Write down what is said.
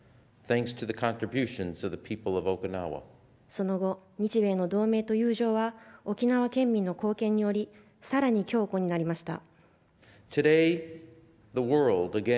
その後、日米の同盟と友情は沖縄県民の貢献により更に強固になりました。